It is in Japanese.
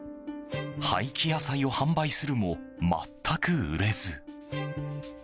廃棄野菜を販売するも全く売れず。